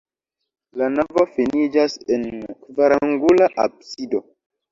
La navo finiĝas en kvarangula absido.